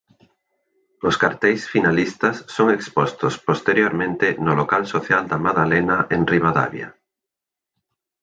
Os carteis finalistas son expostos posteriormente no local social da Madalena en Ribadavia.